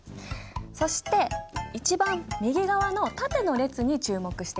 そして一番右側の縦の列に注目してみて。